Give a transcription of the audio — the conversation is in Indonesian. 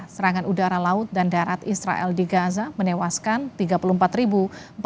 serangan udara laut dan darat israel di gaza menewaskan tiga puluh empat ribu